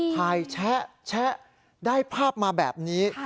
ถ่ายแชะแชะได้ภาพมาแบบนี้